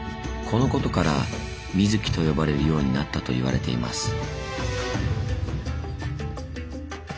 このことから「水城」と呼ばれるようになったと言われています。